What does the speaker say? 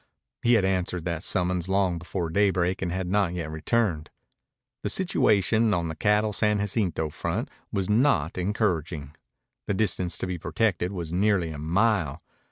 He had answered that summons long before daybreak and had not yet returned. The situation on the Cattle San Jacinto front was not encouraging. The distance to be protected was nearly a mile.